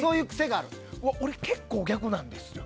俺、結構逆なんですよ。